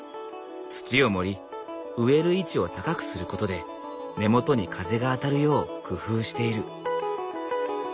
土を盛り植える位置を高くすることで根元に風が当たるよう工夫している。